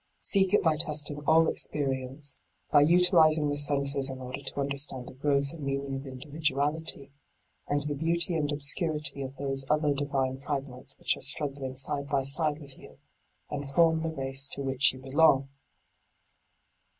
Seek it by testing all experi ence, by utilising the senses in order to understand the growth and meaning of indi viduality, and the beauty and obscurity of d by Google LIGHT ON THE PATH ii those other divine fragments which are struggling side by side with you, and form the race to which you belong.